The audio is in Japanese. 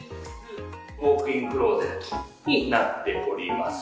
ウォークインクローゼットになっております。